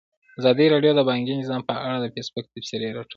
ازادي راډیو د بانکي نظام په اړه د فیسبوک تبصرې راټولې کړي.